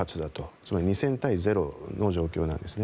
つまり２０００対０の状況なんですね。